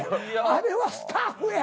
あれはスタッフや！